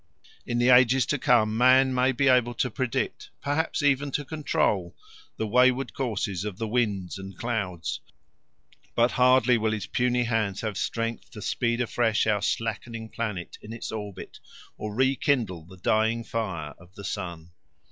In the ages to come man may be able to predict, perhaps even to control, the wayward courses of the winds and clouds, but hardly will his puny hands have strength to speed afresh our slackening planet in its orbit or rekindle the dying fire of the sun.